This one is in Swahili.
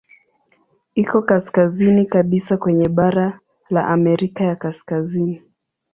Iko kaskazini kabisa kwenye bara la Amerika ya Kaskazini.